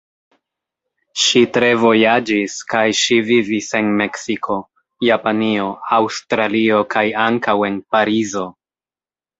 Ŝi tre vojaĝis kaj ŝi vivis en Meksiko, Japanio, Aŭstralio kaj ankaŭ en Parizo.